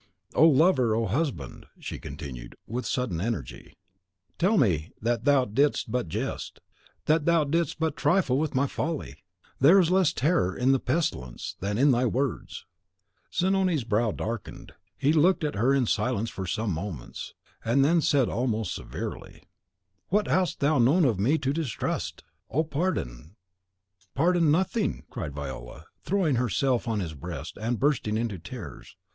Oh, lover, oh, husband!" she continued, with sudden energy, "tell me that thou didst but jest, that thou didst but trifle with my folly! There is less terror in the pestilence than in thy words." Zanoni's brow darkened; he looked at her in silence for some moments, and then said, almost severely, "What hast thou known of me to distrust?" "Oh, pardon, pardon! nothing!" cried Viola, throwing herself on his breast, and bursting into tears.